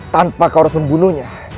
tanpa kau harus membunuhnya